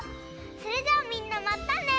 それじゃあみんなまたね！